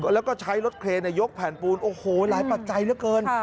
แล้วก็ใช้รถเครนยกแผ่นปูนโอ้โหหลายปัจจัยเหลือเกิน